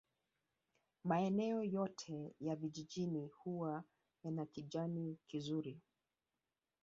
Maeneo yote ya vijijini huwa yana kijani kizuri